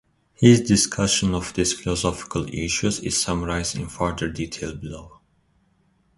His discussion of these philosophical issues is summarized in further detail below.